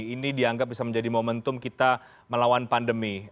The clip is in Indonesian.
ini dianggap bisa menjadi momentum kita melawan pandemi